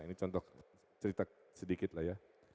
ini contoh cerita sedikit lah ya